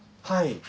はい。